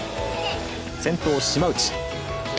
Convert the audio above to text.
先頭、島内。